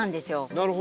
なるほど。